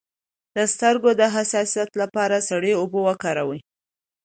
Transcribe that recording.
د سترګو د حساسیت لپاره سړې اوبه وکاروئ